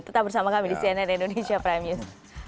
tetap bersama kami di cnn indonesia prime news